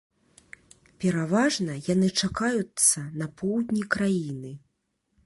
Пераважна яны чакаюцца на поўдні краіны.